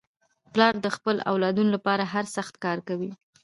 پلار د خپلو اولادنو لپاره هر سخت کار کوي.